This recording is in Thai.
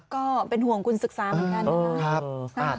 ก็เป็นห่วงคุณศึกษาเหมือนกันนะครับ